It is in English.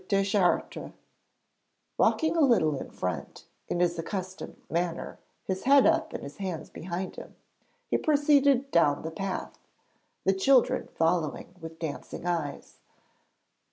Deschartres. Walking a little in front, in his accustomed manner, his head up, his hands behind him, he proceeded down the path, the children following with dancing eyes.